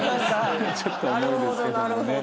ちょっと重いですけどもね。